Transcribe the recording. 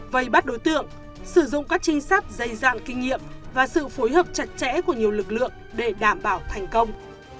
vậy bắt đối tượng sử dụng các trinh sát dày dàng kinh nghiệm và sự phối hợp chặt chẽ của nhiều lực lượng để đảm bảo thành công